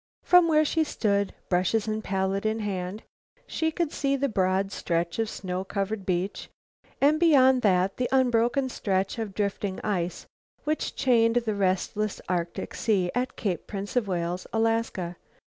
From where she stood, brushes and palette in hand, she could see the broad stretch of snow covered beach, and beyond that the unbroken stretch of drifting ice which chained the restless Arctic Sea at Cape Prince of Wales, Alaska.